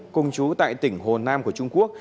cùng chú tại tỉnh hồ nam của trung quốc